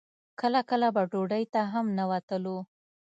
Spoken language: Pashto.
کله کله به ډوډۍ ته هم نه وتلو.